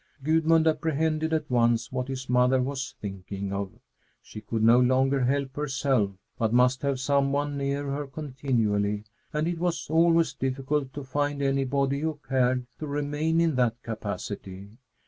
Gudmund apprehended at once what his mother was thinking of. She could no longer help herself, but must have some one near her continually, and it was always difficult to find anybody who cared to remain in that capacity.